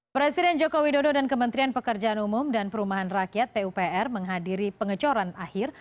presiden joko widodo dan kementerian pekerjaan umum dan perumahan rakyat pupr menghadiri pengecoran akhir